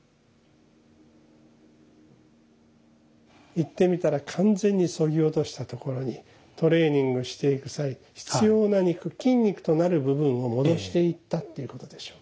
言ってみたら完全にそぎ落としたところにトレーニングしていく際必要な肉筋肉となる部分を戻していったっていうことでしょう。